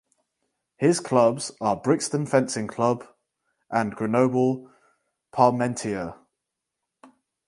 His clubs are Brixton Fencing Club and Grenoble Parmentier.